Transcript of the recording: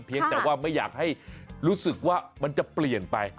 แต่ว่าไม่อยากให้รู้สึกว่ามันจะเปลี่ยนไป